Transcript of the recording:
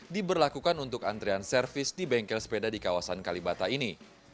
diberlakukan untuk antrian servis di bengkel sepeda di kawasan kalibata ini